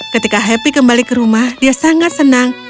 ketika happy kembali ke rumah dia sangat senang